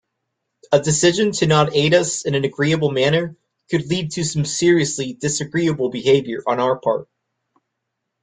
A decision not to aid us in an agreeable manner could lead to some seriously disagreeable behaviour on our part.